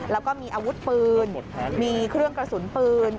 แล้วก็มีอาวุธปืนมีเครื่องกระสุนปืน